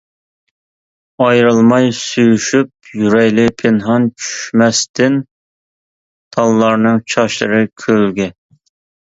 ئايرىلماي سۆيۈشۈپ يۈرەيلى پىنھان، چۈشمەستىن تاللارنىڭ چاچلىرى كۆلگە.